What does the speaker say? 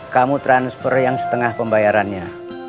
kamu transfer yang setengah pembayarannya